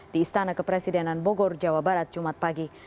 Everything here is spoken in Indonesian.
di istana kepresidenan bogor jawa barat jumat pagi